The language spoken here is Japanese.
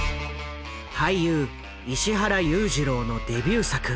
俳優石原裕次郎のデビュー作。